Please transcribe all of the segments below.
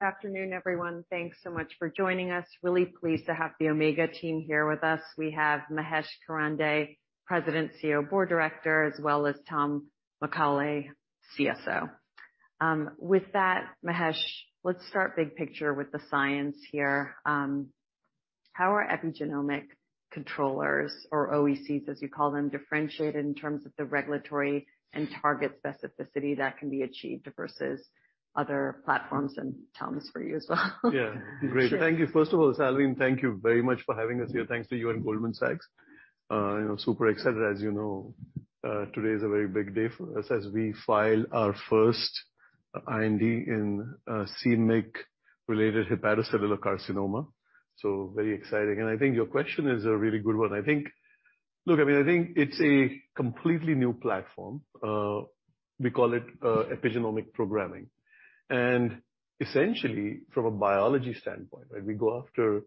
Good afternoon, everyone. Thanks so much for joining us. Really pleased to have the Omega team here with us. We have Mahesh Karande, President, CEO, Board Director, as well as Thomas McCauley, CSO. With that, Mahesh, let's start big picture with the science here. How are epigenomic controllers or OECs, as you call them, differentiated in terms of the regulatory and target specificity that can be achieved versus other platforms, and Tom, this is for you as well? Yeah. Great. Thank you. First of all, Salveen, and thank you very much for having us here. Thanks to you and Goldman Sachs. You know, super excited. As you know, today is a very big day for us as we file our first IND in c-Myc-related hepatocellular carcinoma. Very exciting. I think your question is a really good one. I think. Look, I mean, I think it's a completely new platform. We call it epigenomic programming. Essentially, from a biology standpoint, right, we go after,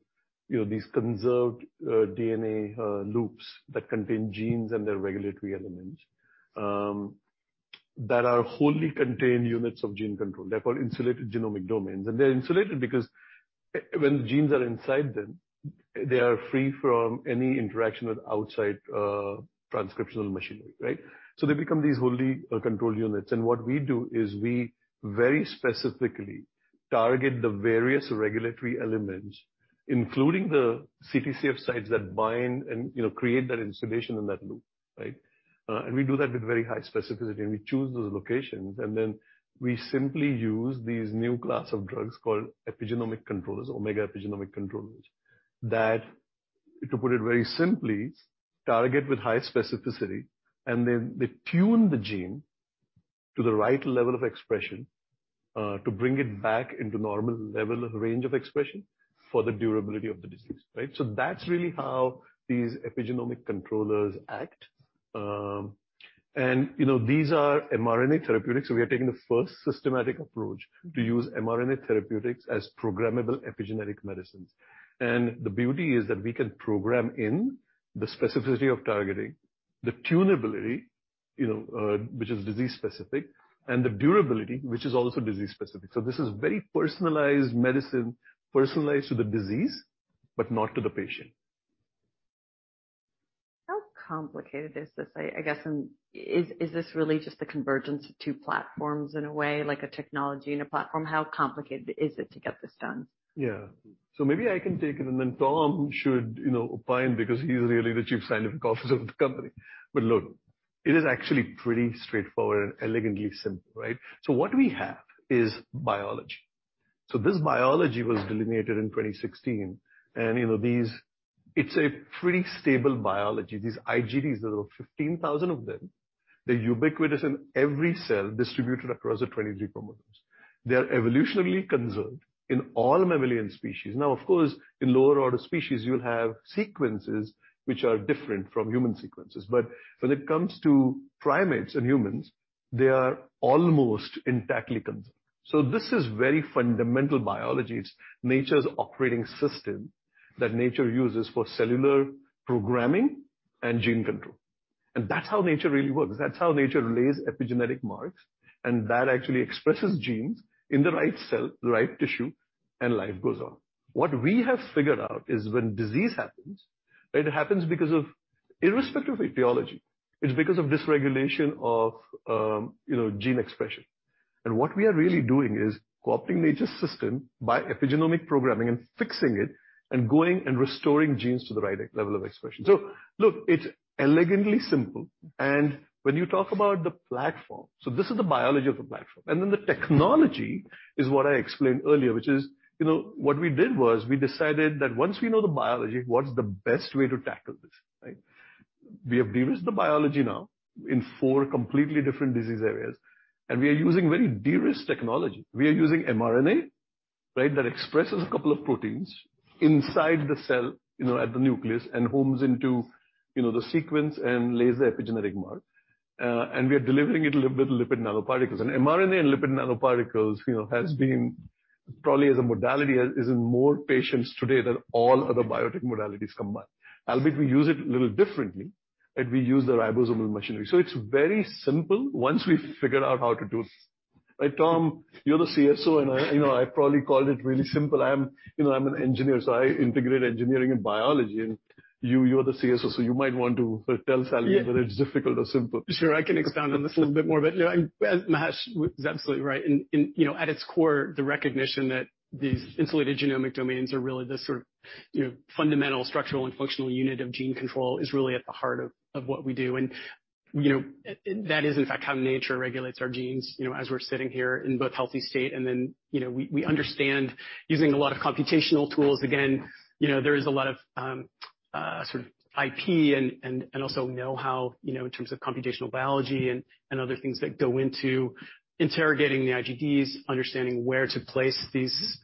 you know, these conserved DNA loops that contain genes and their regulatory elements, that are wholly contained units of gene control. They're called insulated genomic domains. They're insulated because when the genes are inside them, they are free from any interaction with outside transcriptional machinery, right? They become these wholly controlled units. What we do is we very specifically target the various regulatory elements, including the CTCF sites that bind and, you know, create that insulation in that loop, right? We do that with very high specificity, and we choose those locations, and then we simply use these new class of drugs called epigenomic controllers or Omega Epigenomic Controllers, that, to put it very simply, target with high specificity, and then they tune the gene to the right level of expression, to bring it back into normal level of range of expression for the durability of the disease, right? That's really how these epigenomic controllers act. You know, these are mRNA therapeutics, so we are taking the first systematic approach to use mRNA therapeutics as programmable epigenetic medicines. The beauty is that we can program in the specificity of targeting, the tunability, you know, which is disease specific, and the durability, which is also disease specific. This is very personalized medicine, personalized to the disease, but not to the patient. How complicated is this? I guess, is this really just the convergence of two platforms in a way, like a technology and a platform? How complicated is it to get this done? Yeah. Maybe I can take it and then Tom should, you know, opine because he's really the chief scientific officer of the company. Look, it is actually pretty straightforward and elegantly simple, right? What we have is biology. This biology was delineated in 2016, and, you know, these. It's a pretty stable biology. These IGDs, there are over 15,000 of them. They're ubiquitous in every cell distributed across the 23 chromosomes. They are evolutionarily conserved in all mammalian species. Now, of course, in lower order species, you'll have sequences which are different from human sequences. But when it comes to primates and humans, they are almost intactly conserved. This is very fundamental biology. It's nature's operating system that nature uses for cellular programming and gene control. That's how nature really works. That's how nature lays epigenetic marks, and that actually expresses genes in the right cell, the right tissue, and life goes on. What we have figured out is when disease happens, it happens because of irrespective of etiology. It's because of dysregulation of, you know, gene expression. What we are really doing is co-opting nature's system by epigenomic programming and fixing it and going and restoring genes to the right level of expression. Look, it's elegantly simple. When you talk about the platform, this is the biology of the platform. The technology is what I explained earlier, which is, you know, what we did was we decided that once we know the biology, what's the best way to tackle this, right? We have de-risked the biology now in four completely different disease areas, and we are using very de-risked technology. We are using mRNA, right, that expresses a couple of proteins inside the cell, you know, at the nucleus and hones in on, you know, the sequence and lays the epigenetic mark. We are delivering it with lipid nanoparticles. mRNA and lipid nanoparticles, you know, has been probably as a modality is in more patients today than all other biotech modalities combined. Albeit we use it a little differently, and we use the ribosomal machinery. It's very simple once we figure out how to do it. Right, Tom, you're the CSO, and I, you know, I probably called it really simple. I'm, you know, an engineer, so I integrate engineering and biology. You, you're the CSO, so you might want to tell Salveen whether it's difficult or simple. Sure, I can expound on this a little bit more. You know, Mahesh is absolutely right. You know, at its core, the recognition that these insulated genomic domains are really the sort of, you know, fundamental structural and functional unit of gene control is really at the heart of what we do. You know, that is in fact how nature regulates our genes, you know, as we're sitting here in both healthy state and then, you know, we understand using a lot of computational tools. Again, you know, there is a lot of, sort of IP and also know-how, you know, in terms of computational biology and other things that go into interrogating the IGDs, understanding where to place these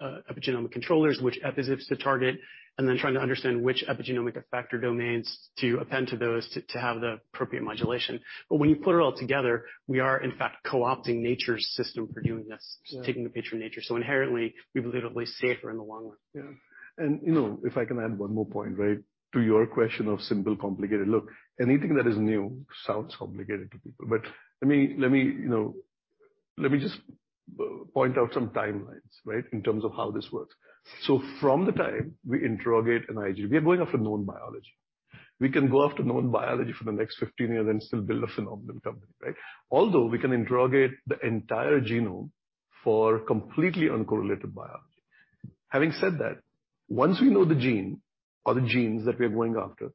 epigenomic controllers, which EpiZips to target, and then trying to understand which epigenomic effector domains to append to those to have the appropriate modulation. When you put it all together, we are in fact co-opting nature's system for doing this. Yeah. Taking a page from nature. Inherently, we believe it'll be safer in the long run. Yeah. You know, if I can add one more point, right, to your question of simple, complicated. Look, anything that is new sounds complicated to people. Let me just point out some timelines, right, in terms of how this works. From the time we interrogate an IGD, we are going after known biology. We can go after known biology for the next 15 years and still build a phenomenal company, right? Although we can interrogate the entire genome for completely uncorrelated biology. Having said that, once we know the gene or the genes that we are going after,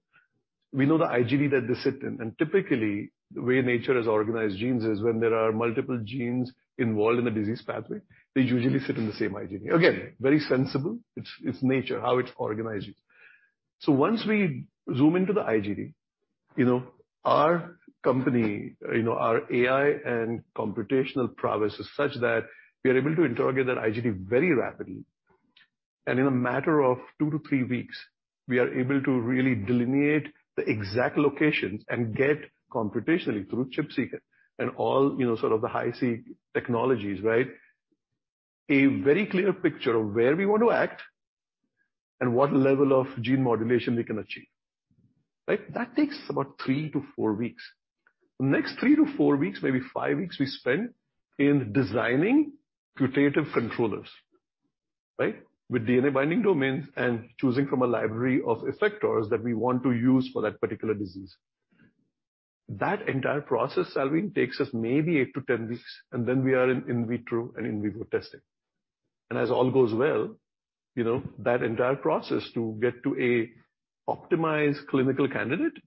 we know the IGD that they sit in. Typically, the way nature has organized genes is when there are multiple genes involved in the disease pathway, they usually sit in the same IGD. Again, very sensible. It's nature, how it organizes. Once we zoom into the IGD, you know, our company, you know, our AI and computational prowess is such that we are able to interrogate that IGD very rapidly. In a matter of 2-3 weeks, we are able to really delineate the exact locations and get computationally through ChIP-seq and all, you know, sort of the Hi-C technologies, right, a very clear picture of where we want to act and what level of gene modulation we can achieve. Right? That takes about 3-4 weeks. The next 3-4 weeks, maybe five weeks, we spend in designing putative controllers, right? With DNA binding domains and choosing from a library of effectors that we want to use for that particular disease. That entire process, Salveen, takes us maybe 8-10 weeks, and then we are in vitro and in vivo testing. As all goes well, you know, that entire process to get to a optimized clinical candidate,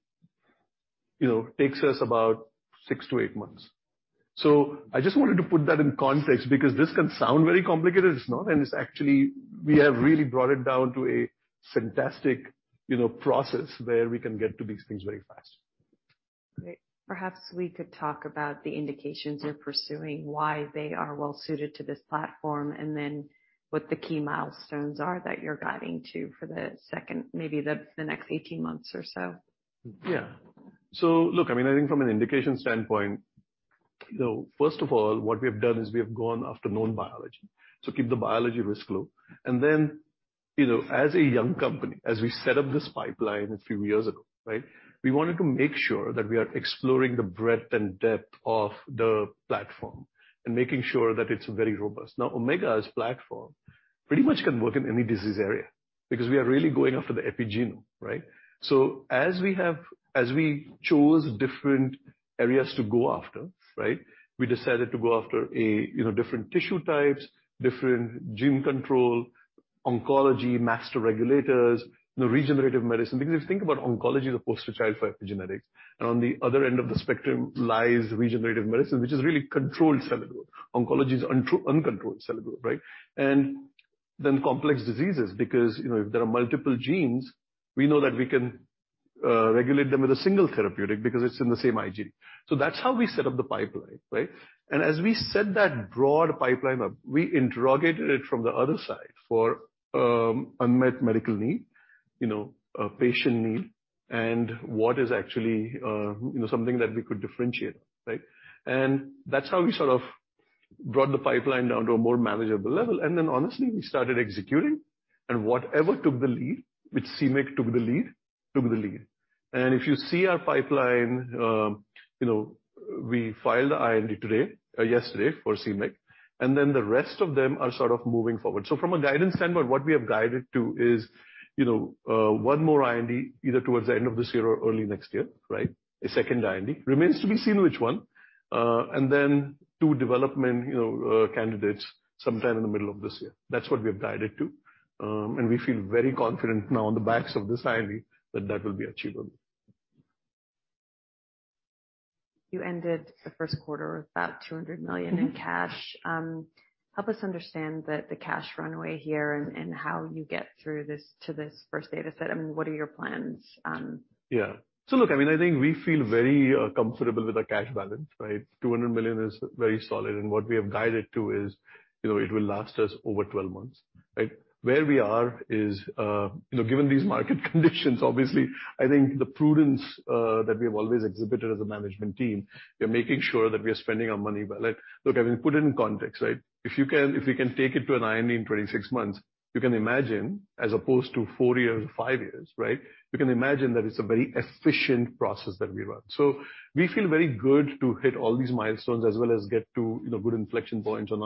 you know, takes us about 6-8 months. I just wanted to put that in context because this can sound very complicated. It's not. It's actually. We have really brought it down to a fantastic, you know, process where we can get to these things very fast. Great. Perhaps we could talk about the indications you're pursuing, why they are well suited to this platform, and then what the key milestones are that you're guiding to for the next 18 months or so. Yeah. Look, I mean, I think from an indication standpoint, you know, first of all, what we have done is we have gone after known biology, so keep the biology risk low. Then, you know, as a young company, as we set up this pipeline a few years ago, right, we wanted to make sure that we are exploring the breadth and depth of the platform and making sure that it's very robust. Now, Omega as platform pretty much can work in any disease area because we are really going after the epigenome, right? As we chose different areas to go after, right, we decided to go after a, you know, different tissue types, different gene control, oncology, master regulators, you know, regenerative medicine. Because if you think about oncology, the poster child for epigenetics. On the other end of the spectrum lies regenerative medicine, which is really controlled cellular. Oncology is uncontrolled cellular growth, right? Complex diseases, because, you know, if there are multiple genes, we know that we can regulate them with a single therapeutic because it's in the same IGD. That's how we set up the pipeline, right? As we set that broad pipeline up, we interrogated it from the other side for unmet medical need, you know, a patient need and what is actually, you know, something that we could differentiate, right? That's how we sort of brought the pipeline down to a more manageable level. Honestly, we started executing. Whatever took the lead, which c-Myc took the lead. If you see our pipeline, you know, we filed the IND today, yesterday for c-Myc, and then the rest of them are sort of moving forward. From a guidance standpoint, what we have guided to is, you know, one more IND, either towards the end of this year or early next year, right? A second IND. Remains to be seen which one. And then two development, you know, candidates sometime in the middle of this year. That's what we have guided to. And we feel very confident now on the backs of this IND that that will be achievable. You ended the first quarter with about $200 million in cash. Help us understand the cash runway here and how you get through this to this first data set, and what are your plans? Yeah. Look, I mean, I think we feel very comfortable with our cash balance, right? $200 million is very solid, and what we have guided to is, you know, it will last us over 12 months, right? Where we are is, you know, given these market conditions, obviously, I think the prudence that we have always exhibited as a management team, we are making sure that we are spending our money well. Like, look, I mean, put it in context, right? If you can, if we can take it to an IND in 26 months, you can imagine as opposed to four years or five years, right? You can imagine that it's a very efficient process that we run. We feel very good to hit all these milestones as well as get to, you know, good inflection points on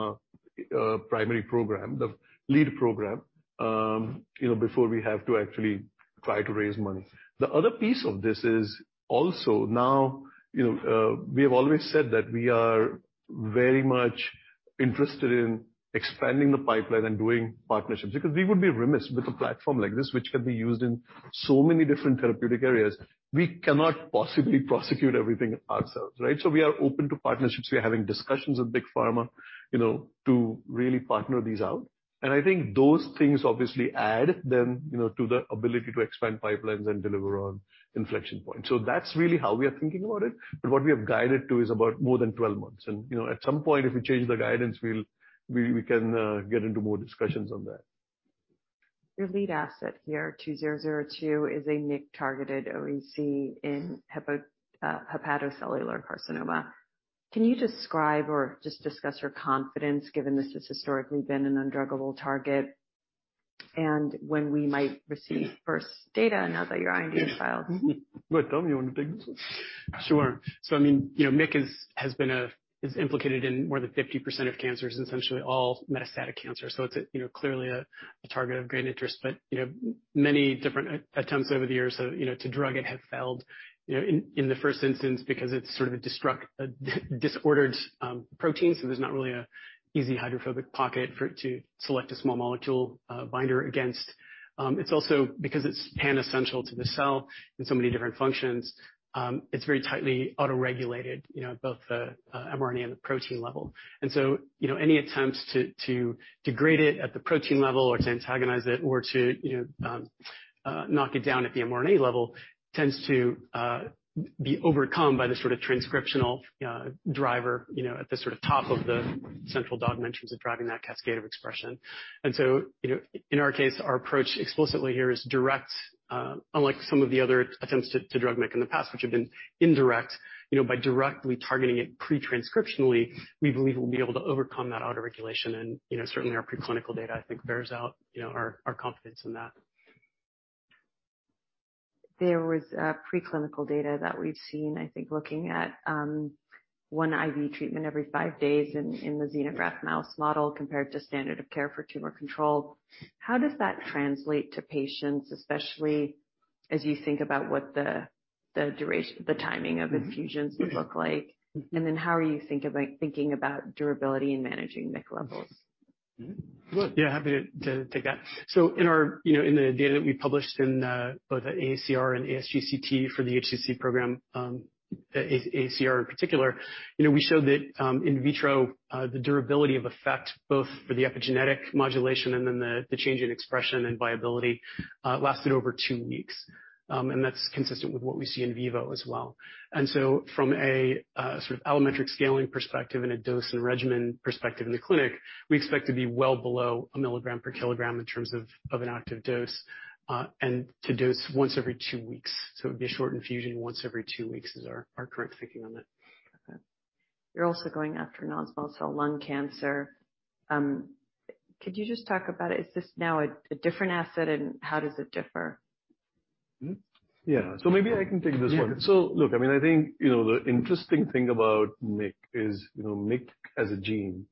our primary program, the lead program, you know, before we have to actually try to raise money. The other piece of this is also now, you know, we have always said that we are very much interested in expanding the pipeline and doing partnerships because we would be remiss with a platform like this, which can be used in so many different therapeutic areas. We cannot possibly prosecute everything ourselves, right? We are open to partnerships. We're having discussions with big pharma, you know, to really partner these out. I think those things obviously add then, you know, to the ability to expand pipelines and deliver on inflection points. That's really how we are thinking about it. What we have guided to is about more than 12 months. You know, at some point, if we change the guidance, we can get into more discussions on that. Your lead asset here, OTX-2002, is a MYC-targeted OEC in hepatocellular carcinoma. Can you describe or just discuss your confidence, given this has historically been an undruggable target? When we might receive first data now that your IND is filed? Go ahead, Tom, you wanna take this one? Sure. I mean, you know, MYC is implicated in more than 50% of cancers, essentially all metastatic cancer. It's a, you know, clearly a target of great interest. You know, many different attempts over the years, you know, to drug it have failed, you know, in the first instance, because it's sort of a disordered protein, so there's not really an easy hydrophobic pocket for it to select a small molecule binder against. It's also because it's pan-essential to the cell in so many different functions, it's very tightly autoregulated, you know, at both the mRNA and the protein level. You know, any attempts to degrade it at the protein level or to antagonize it or to, you know, knock it down at the mRNA level tends to be overcome by the sort of transcriptional driver, you know, at the sort of top of the central dogma of driving that cascade of expression. You know, in our case, our approach explicitly here is direct, unlike some of the other attempts to drug MYC in the past, which have been indirect. You know, by directly targeting it pre-transcriptionally, we believe we'll be able to overcome that autoregulation. You know, certainly our preclinical data, I think, bears out, you know, our confidence in that. There was preclinical data that we've seen, I think, looking at one IV treatment every five days in the xenograft mouse model compared to standard of care for tumor control. How does that translate to patients, especially as you think about what the timing of infusions would look like? Mm-hmm. How are you thinking about durability in managing MYC levels? Well, yeah, happy to take that. In our data that we published in both at AACR and ASGCT for the HCC program, AACR in particular, you know, we showed that in vitro the durability of effect, both for the epigenetic modulation and then the change in expression and viability, lasted over two weeks. That's consistent with what we see in vivo as well. From a sort of allometric scaling perspective and a dose and regimen perspective in the clinic, we expect to be well below a milligram per kilogram in terms of an active dose, and to dose once every two weeks. It'd be a short infusion once every two weeks is our current thinking on that. Okay. You're also going after non-small cell lung cancer. Could you just talk about it? Is this now a different asset, and how does it differ? Mm-hmm. Yeah. Maybe I can take this one. Yeah. Look, I mean, I think, you know, the interesting thing about MYC is, you know, MYC as a gene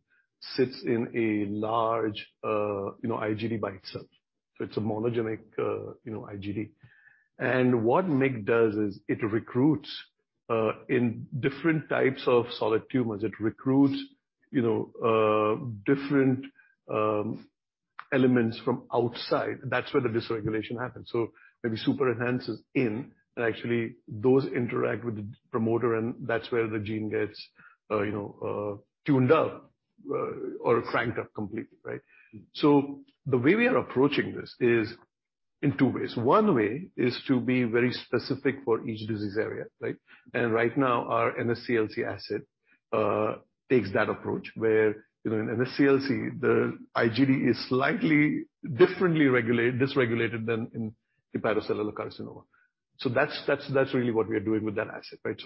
sits in a large, you know, IGD by itself. It's a monogenic, you know, IGD. What MYC does is it recruits different elements from outside in different types of solid tumors. That's where the dysregulation happens. Maybe super-enhancers in, and actually those interact with the promoter, and that's where the gene gets, you know, tuned up, or cranked up completely, right? The way we are approaching this is in two ways. One way is to be very specific for each disease area, right? Right now, our NSCLC asset takes that approach, where, you know, in NSCLC, the IGD is slightly differently dysregulated than in hepatocellular carcinoma. That's really what we are doing with that asset, right?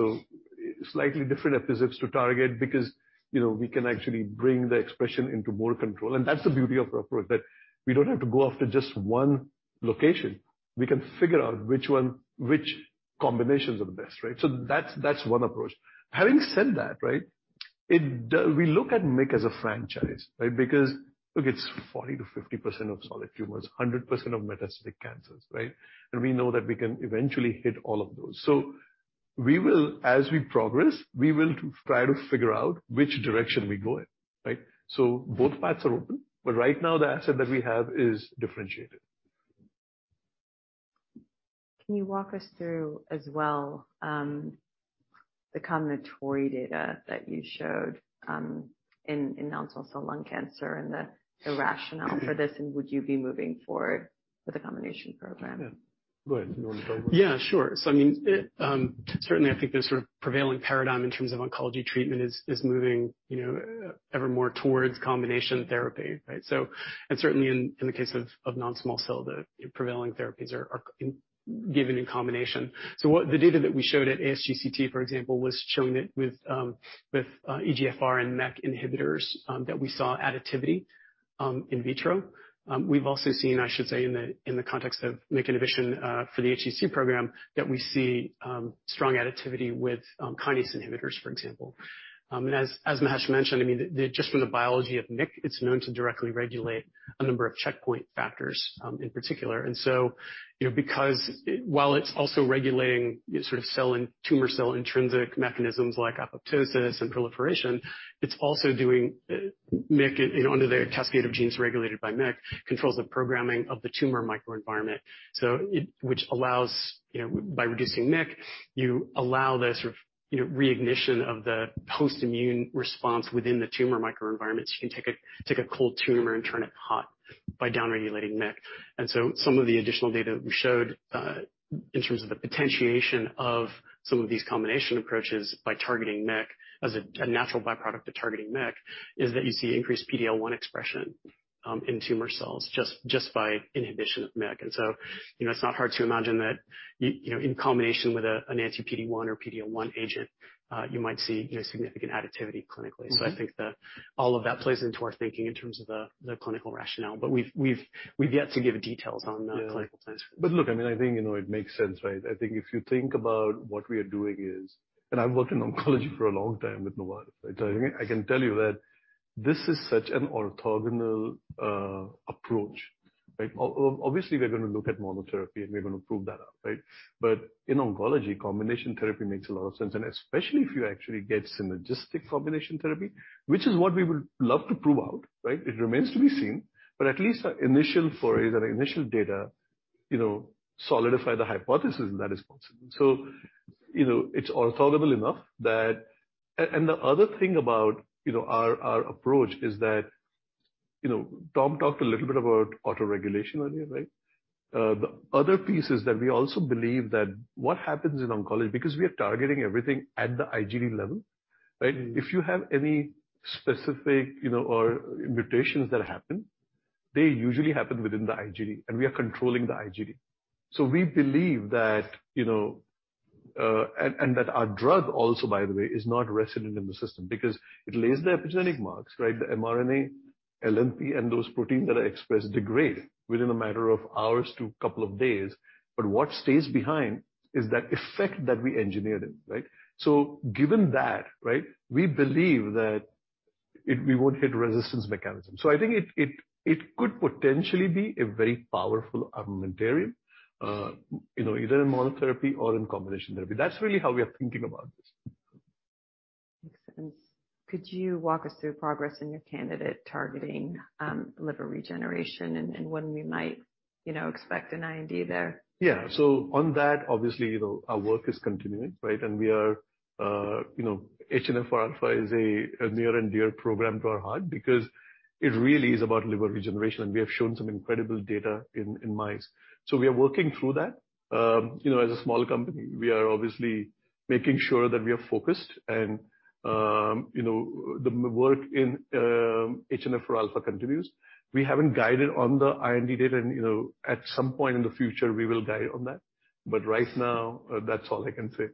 Slightly different EpiZips to target because, you know, we can actually bring the expression into more control. That's the beauty of our approach, that we don't have to go after just one location. We can figure out which one, which combinations are the best, right? That's one approach. Having said that, right, we look at MYC as a franchise, right? Because, look, it's 40%-50% of solid tumors, 100% of metastatic cancers, right? We know that we can eventually hit all of those. We will, as we progress, try to figure out which direction we go in, right? Both paths are open, but right now the asset that we have is differentiated. Can you walk us through as well the combination data that you showed in non-small cell lung cancer and the rationale for this? Would you be moving forward with a combination program? Yeah. Go ahead. You wanna go over it? Yeah, sure. I mean, it certainly, I think the sort of prevailing paradigm in terms of oncology treatment is moving, you know, ever more towards combination therapy, right? Certainly in the case of non-small cell, the prevailing therapies are given in combination. What the data that we showed at ASGCT, for example, was showing that with EGFR and MYC inhibitors, that we saw additivity in vitro. We've also seen, I should say, in the context of MYC inhibition for the HCC program that we see strong additivity with kinase inhibitors, for example. As Mahesh mentioned, I mean, just from the biology of MYC, it's known to directly regulate a number of checkpoint factors in particular. You know, because while it's also regulating sort of tumor cell intrinsic mechanisms like apoptosis and proliferation, it's also doing MYC and under the cascade of genes regulated by MYC, controls the programming of the tumor microenvironment. Which allows, you know, by reducing MYC, you allow the sort of, you know, reignition of the host immune response within the tumor microenvironment. You can take a cold tumor and turn it hot by downregulating MYC. Some of the additional data we showed in terms of the potentiation of some of these combination approaches by targeting MYC as a natural byproduct of targeting MYC, is that you see increased PD-L1 expression in tumor cells just by inhibition of MYC. You know, it's not hard to imagine that you know, in combination with an anti-PD-1 or PD-L1 agent, you might see, you know, significant additivity clinically. All of that plays into our thinking in terms of the clinical rationale. We've yet to give details on the clinical plans. Look, I mean, I think, you know, it makes sense, right? I think if you think about what we are doing is, and I've worked in oncology for a long time with Novartis, right? I can tell you that this is such an orthogonal approach, right? Obviously, we're gonna look at monotherapy, and we're gonna prove that out, right? In oncology, combination therapy makes a lot of sense, and especially if you actually get synergistic combination therapy, which is what we would love to prove out, right? It remains to be seen, but at least our initial forays and initial data, you know, solidify the hypothesis that is possible. You know, it's orthogonal enough that and the other thing about, you know, our approach is that, you know, Tom talked a little bit about autoregulation earlier, right? The other piece is that we also believe that what happens in oncology, because we are targeting everything at the IGD level, right? If you have any specific, you know, or mutations that happen, they usually happen within the IGD, and we are controlling the IGD. We believe that, you know, and that our drug also, by the way, is not resident in the system because it lays the epigenetic marks, right? The mRNA, LNP, and those proteins that are expressed degrade within a matter of hours to a couple of days, but what stays behind is that effect that we engineered in, right? Given that, right, we believe that we won't hit resistance mechanisms. I think it could potentially be a very powerful armamentarium, you know, either in monotherapy or in combination therapy. That's really how we are thinking about this. Makes sense. Could you walk us through progress in your candidate targeting, liver regeneration and when we might, you know, expect an IND there? Yeah. On that, obviously, you know, our work is continuing, right? And we are, you know, HNF4 alpha is a near and dear program to our heart because it really is about liver regeneration, and we have shown some incredible data in mice. We are working through that. You know, as a small company, we are obviously making sure that we are focused and, you know, the work in HNF4 alpha continues. We haven't guided on the IND data and, you know, at some point in the future, we will guide on that. Right now, that's all I can say.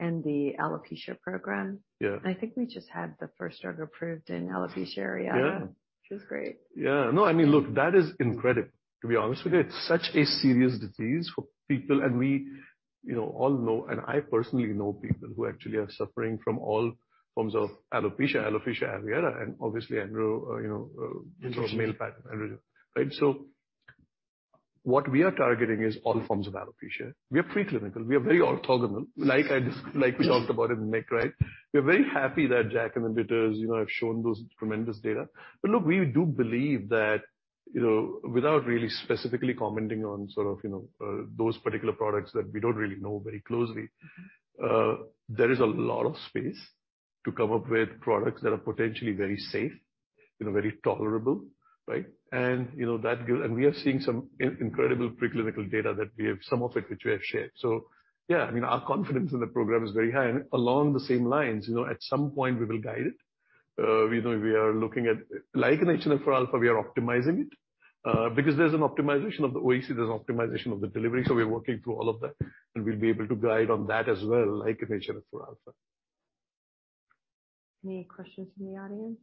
The alopecia program. Yeah. I think we just had the first drug approved in alopecia areata. Yeah. Which was great. Yeah. No, I mean, look, that is incredible, to be honest with you. It's such a serious disease for people. We, you know, all know, and I personally know people who actually are suffering from all forms of alopecia areata, and obviously androgen, you know, male pattern androgen, right? What we are targeting is all forms of alopecia. We are preclinical. We are very orthogonal, like we talked about in MYC, right? We're very happy that JAK inhibitors, you know, have shown those tremendous data. Look, we do believe that, you know, without really specifically commenting on sort of, you know, those particular products that we don't really know very closely, there is a lot of space to come up with products that are potentially very safe, you know, very tolerable, right? You know, that give. We are seeing some incredible preclinical data that we have, some of it which we have shared. Yeah, I mean, our confidence in the program is very high. Along the same lines, you know, at some point, we will guide it. You know, we are looking at, like in HNF4 alpha, we are optimizing it, because there's an optimization of the OEC, there's optimization of the delivery, so we're working through all of that, and we'll be able to guide on that as well, like in HNF4 alpha. Any questions from the audience?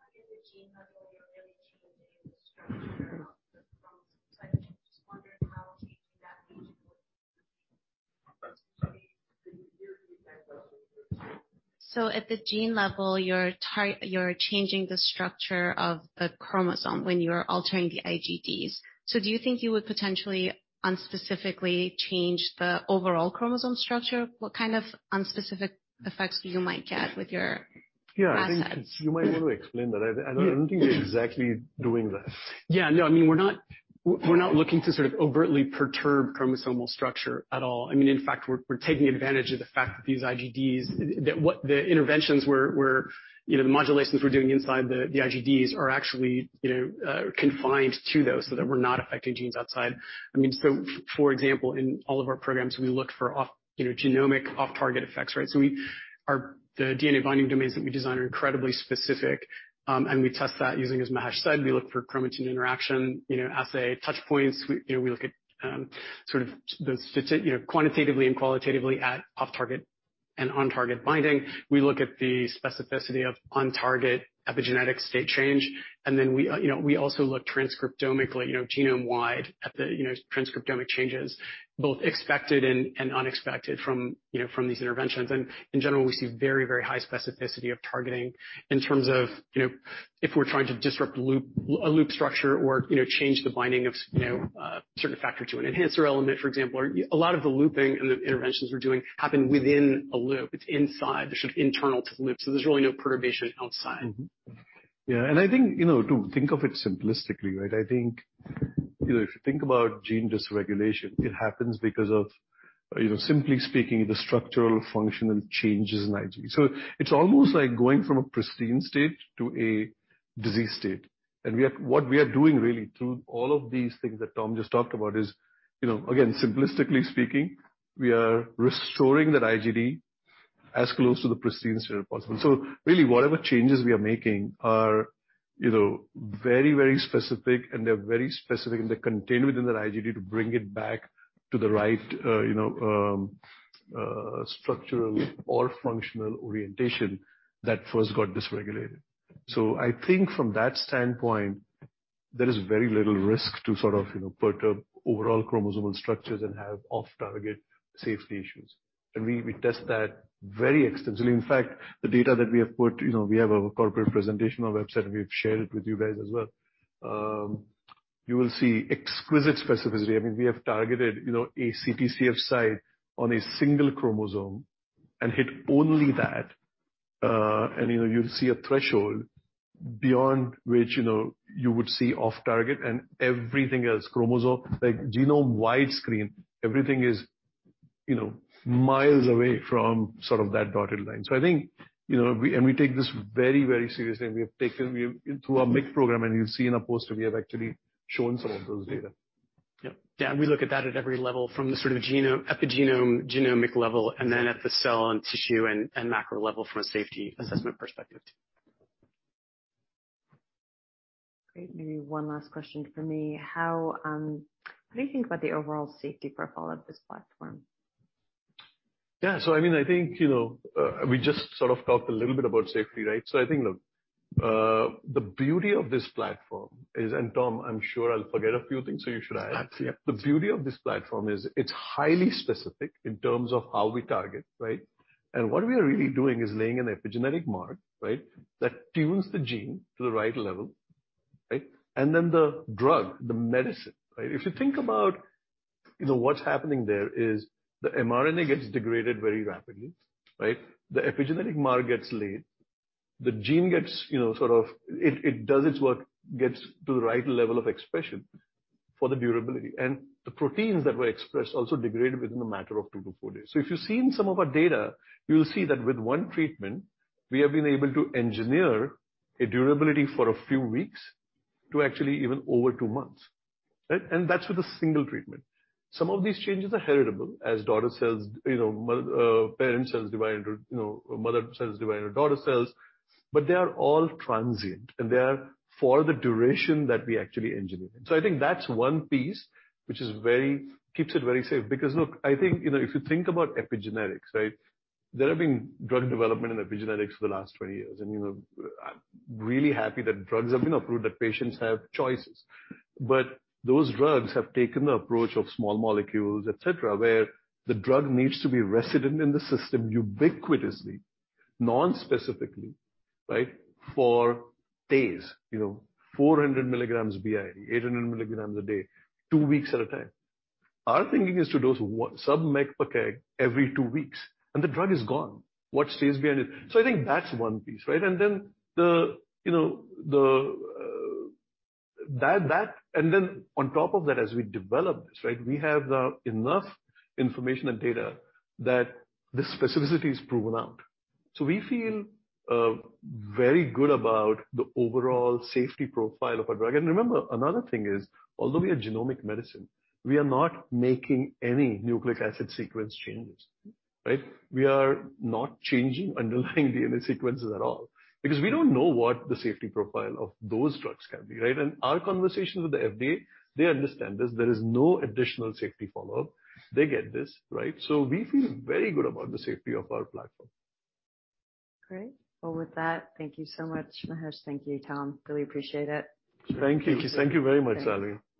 At the gene level, you're really changing the structure of the chromosome. I'm just wondering how changing that gene would? Sorry. Can you repeat that question please? At the gene level, you're changing the structure of the chromosome when you are altering the IGDs. Do you think you would potentially unspecifically change the overall chromosome structure? What kind of unspecific effects you might get with your process? Yeah. You might want to explain that. I don't think we're exactly doing that. Yeah, no. I mean, we're not looking to sort of overtly perturb chromosomal structure at all. I mean, in fact, we're taking advantage of the fact that these IGDs, that what the interventions we're, you know, the modulations we're doing inside the IGDs are actually, you know, confined to those so that we're not affecting genes outside. I mean, so for example, in all of our programs, we look for, you know, genomic off-target effects, right? The DNA binding domains that we design are incredibly specific, and we test that using, as Mahesh said, we look for chromatin interaction, you know, assay touch points. We, you know, we look at sort of the, you know, quantitatively and qualitatively at off-target and on-target binding. We look at the specificity of on-target epigenetic state change. We, you know, we also look transcriptomically, you know, genome-wide at the, you know, transcriptomic changes, both expected and unexpected from, you know, from these interventions. In general, we see very, very high specificity of targeting in terms of, you know, if we're trying to disrupt loop, a loop structure or, you know, change the binding of, you know, certain factor to an enhancer element, for example. A lot of the looping and the interventions we're doing happen within a loop. It's inside. They're sort of internal to the loop, so there's really no perturbation outside. Mm-hmm. Yeah. I think, you know, to think of it simplistically, right? I think, you know, if you think about gene dysregulation, it happens because of, you know, simply speaking, the structural and functional changes in IGD. It's almost like going from a pristine state to a disease state. What we are doing really through all of these things that Tom just talked about is, you know, again, simplistically speaking, we are restoring that IGD as close to the pristine state as possible. Really, whatever changes we are making are, you know, very specific, and they're contained within that IGD to bring it back to the right structural or functional orientation that first got dysregulated. I think from that standpoint, there is very little risk to sort of, you know, perturb overall chromosomal structures and have off-target safety issues. We test that very extensively. In fact, the data that we have put, you know, we have a corporate presentation on website, and we've shared it with you guys as well. You will see exquisite specificity. I mean, we have targeted, you know, a CTCF site on a single chromosome and hit only that. And, you know, you'll see a threshold beyond which, you know, you would see off target and everything else, chromosome, like genome wide screen, everything is, you know, miles away from sort of that dotted line. I think, you know, we. We take this very, very seriously, and we have taken through our MYC program, and you'll see in a poster we have actually shown some of those data. Yeah. Yeah, we look at that at every level from the sort of genome, epigenome, genomic level, and then at the cell and tissue and macro level from a safety assessment perspective too. Great. Maybe one last question for me. How, what do you think about the overall safety profile of this platform? Yeah. I mean, I think, you know, we just sort of talked a little bit about safety, right? I think, look, the beauty of this platform is, and Tom, I'm sure I'll forget a few things, so you should add. That's it. The beauty of this platform is it's highly specific in terms of how we target, right? What we are really doing is laying an epigenetic mark, right, that tunes the gene to the right level, right? Then the drug, the medicine, right? If you think about, you know, what's happening there is the mRNA gets degraded very rapidly, right? The epigenetic mark gets laid. The gene gets, you know, sort of it does its work, gets to the right level of expression for the durability. The proteins that were expressed also degraded within a matter of 2-4 days. If you've seen some of our data, you'll see that with one treatment, we have been able to engineer a durability for a few weeks to actually even over two months. Right? That's with a single treatment. Some of these changes are heritable, as daughter cells, you know, parent cells divide into, you know, mother cells divide into daughter cells, but they are all transient, and they are for the duration that we actually engineer. I think that's one piece which is very, keeps it very safe. Because, look, I think, you know, if you think about epigenetics, right, there have been drug development in epigenetics for the last 20 years. You know, I'm really happy that drugs have been approved, that patients have choices. Those drugs have taken the approach of small molecules, et cetera, where the drug needs to be resident in the system ubiquitously, non-specifically, right, for days. You know, 400 mg BID, 800 mg a day, two weeks at a time. Our thinking is to dose 0.5 mg per kg every two weeks, and the drug is gone. What stays behind it? I think that's one piece, right? On top of that, as we develop this, right, we have enough information and data that the specificity is proven out. We feel very good about the overall safety profile of our drug. Remember, another thing is, although we are genomic medicine, we are not making any nucleic acid sequence changes. Right? We are not changing underlying DNA sequences at all because we don't know what the safety profile of those drugs can be, right? Our conversations with the FDA, they understand this. There is no additional safety follow-up. They get this, right? We feel very good about the safety of our platform. Great. Well, with that, thank you so much, Mahesh. Thank you, Tom. Really appreciate it. Thank you. Thank you. Thank you very much, Salveen.